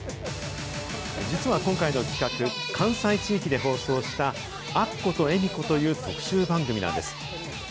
実は今回の企画、関西地域で放送した、アッコと恵美子という特集番組なんです。